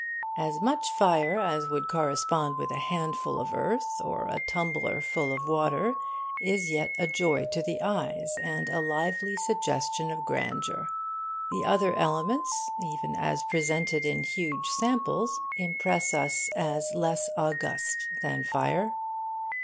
As much fire as would correspond with a handful of earth or a tumblerful of water is yet a joy to the eyes, and a lively suggestion of grandeur. The other elements, even as presented in huge samples, impress us as less august than fire.